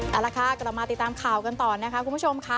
เอาละค่ะกลับมาติดตามข่าวกันต่อนะคะคุณผู้ชมค่ะ